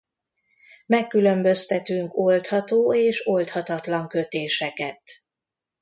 Megkülönböztetünk oldható és oldhatatlan kötéseket.